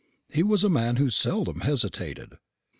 He was a man who seldom hesitated.